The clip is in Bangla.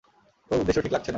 তোর উদ্দেশ্য ঠিক লাগছে না।